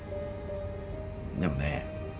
でもね